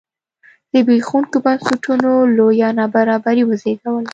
زبېښوونکو بنسټونو لویه نابرابري وزېږوله.